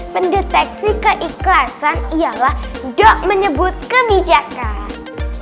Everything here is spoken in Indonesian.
pendeteksi keikhlasan ialah enggak menyebut kebijakan